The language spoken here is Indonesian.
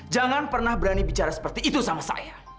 jangan pernah berani bicara seperti itu sama saya